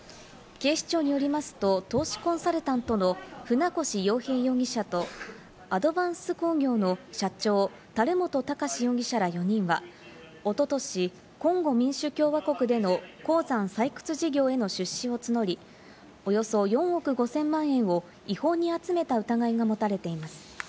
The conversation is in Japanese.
警視庁によりますと、投資コンサルタントの船越洋平容疑者とアドヴァンス工業の社長・樽本貴司容疑者ら４人は、おととし、コンゴ民主共和国での鉱山採掘事業への出資を募り、およそ４億５０００万円を違法に集めた疑いが持たれています。